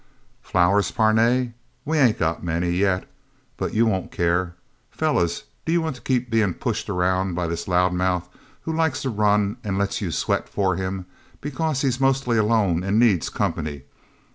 "Flowers, Parnay? We ain't got many, yet. But you won't care... Fellas do you want to keep being pushed around by this loud mouth who likes to run and lets you sweat for him, because he's mostly alone and needs company?